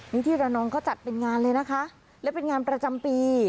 นี่ที่ระนองเขาจัดเป็นงานเลยนะคะและเป็นงานประจำปี